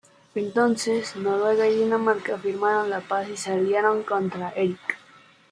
Entonces Noruega y Dinamarca firmaron la paz y se aliaron contra Erik.